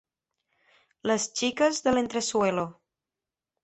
Les xiques de l'entresuelo.